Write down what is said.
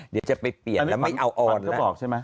เดี๋ยวจะไปเปลี่ยนแล้วไม่เอาออนละ